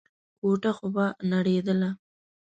کوټه خو به نړېدله.